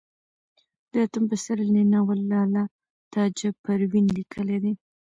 اتم پسرلی ناول لال تاجه پروين ليکلئ دی